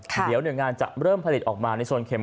เดี๋ยวหน่วยงานจะเริ่มผลิตออกมาในโซนเข็ม